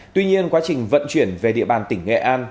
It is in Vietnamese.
tuy nhiên quá trình vận chuyển về địa bàn tỉnh nghệ an